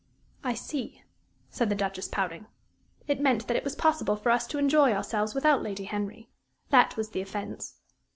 "I see," said the Duchess, pouting "it meant that it was possible for us to enjoy ourselves without Lady Henry. That was the offence."